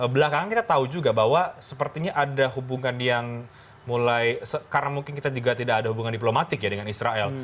belakangan kita tahu juga bahwa sepertinya ada hubungan yang mulai karena mungkin kita juga tidak ada hubungan diplomatik ya dengan israel